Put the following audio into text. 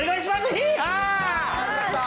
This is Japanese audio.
ヒーハー！